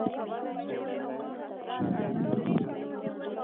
د کار اهل خلکو ته ارزښت ورکړل شو.